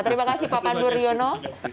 terima kasih pak pandu riono